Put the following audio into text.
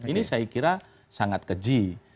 ini saya kira sangat keji